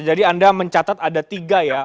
jadi anda mencatat ada tiga ya